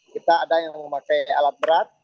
kita ada yang memakai alat berat